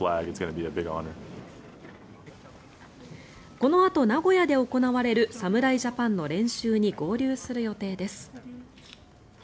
このあと、名古屋で行われる侍ジャパンの練習に合流する予定です。